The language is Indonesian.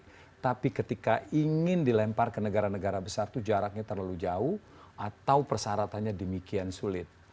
tapi ketika ingin dilempar ke negara negara besar itu jaraknya terlalu jauh atau persyaratannya demikian sulit